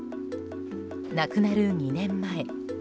亡くなる２年前。